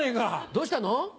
どうしたの？